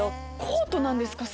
コートなんですか？